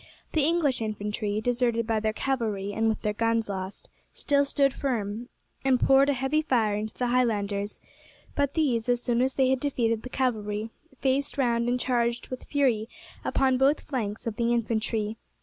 The English infantry, deserted by their cavalry, and with their guns lost, still stood firm, and poured a heavy fire into the Highlanders; but these, as soon as they had defeated the cavalry, faced round and charged with fury upon both flanks of the infantry.